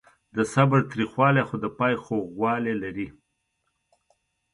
د صبر تریخوالی خو د پای خوږوالی لري.